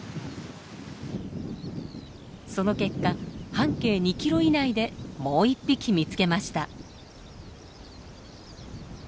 その結果半径２キロ以内でもう１匹見つけました。